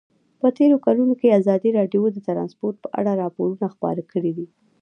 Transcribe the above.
په تېرو کلونو کې ازادي راډیو د ترانسپورټ په اړه راپورونه خپاره کړي دي.